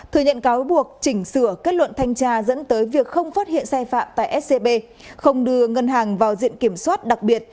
thừa nhận cáo buộc chỉnh sửa kết luận thanh tra dẫn tới việc không phát hiện sai phạm tại scb không đưa ngân hàng vào diện kiểm soát đặc biệt